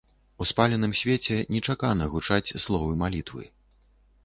У спаленым свеце нечакана гучаць словы малітвы.